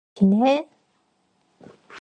잘 지내?